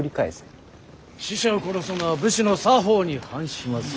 使者を殺すのは武士の作法に反します。